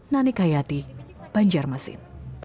nanik hayati banjarmasin